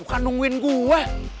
bukan nungguin gue